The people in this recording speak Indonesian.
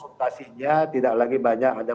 subtasinya tidak lagi banyak ada